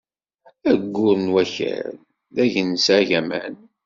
Ayyur n Wakal d agensa agaman.